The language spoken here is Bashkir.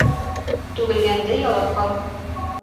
Түгелгәнде ялап ҡал.